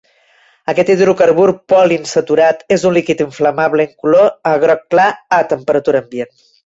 Aquest hidrocarbur poliinsaturat és un líquid inflamable incolor a groc clar a temperatura ambient.